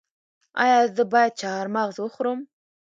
ایا زه باید چهارمغز وخورم؟